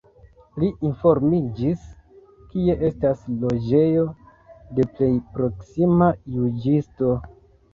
Li informiĝis, kie estas loĝejo de plej proksima juĝisto.